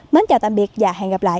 mến chào tạm biệt và hẹn gặp lại